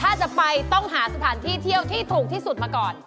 ถ้าจะไปต้องหาสถานที่เที่ยวที่ถูกที่สุดมาก่อน